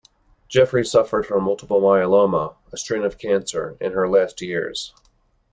Jeffries suffered from multiple myeloma, a strain of cancer, in her last years.